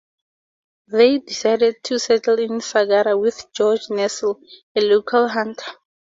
They decided to settle in Sagara with George Nestle, a local hunter.